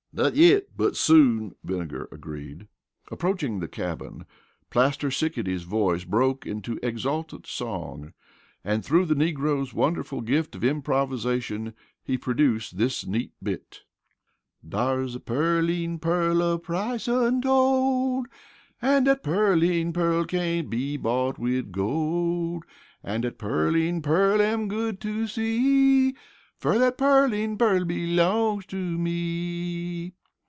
"Not yit, but soon," Vinegar agreed. Approaching the cabin, Plaster Sickety's voice broke into exultant song, and through the negro's wonderful gift of improvisation, he produced this neat bit: "Dar's a Pearline pearl of price untold, An' dat Pearline pearl cain't be bought wid gold; An' dat Pearline pearl am good to see, Fer dat Pearline pearl b'longs to me!"